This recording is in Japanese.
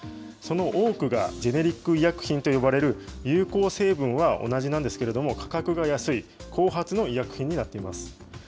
その多くが、ジェネリック医薬品と呼ばれる、有効成分は同じなんですけれども、価格が安い、後発の医薬品になっています。